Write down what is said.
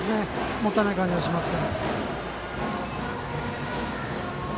もったいない感じがしますね。